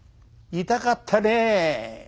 痛かったね。